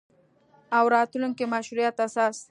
او راتلونکي مشروعیت اساس